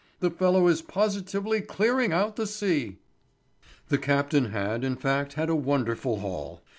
The fellow is positively clearing out the sea!" The captain had, in fact, had a wonderful haul.